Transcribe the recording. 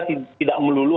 kita tidak melulu